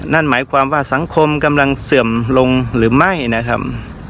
นั่นหมายความว่าสังคมกำลังเสื่อมลงหรือไม่นะครับ